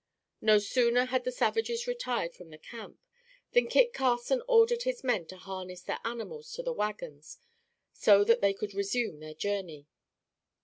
No sooner had the savages retired from the camp, than Kit Carson ordered his men to harness their animals to the wagons so that they could resume their journey.